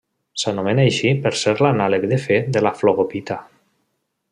S'anomena així per ser l'anàleg de Fe de la flogopita.